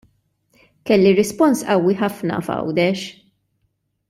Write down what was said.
Kelli rispons qawwi ħafna f'Għawdex.